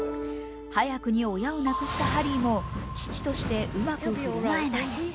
早くに親を亡くしたハリーも父としてうまく振る舞えない。